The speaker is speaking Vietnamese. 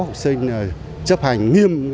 học sinh chấp hành nghiêm